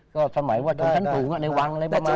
ก็สมัยว่าชนขั้นหูวังอะไรประมาณนี้